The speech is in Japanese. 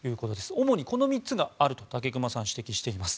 主に、この３つがあると武隈さん指摘しています。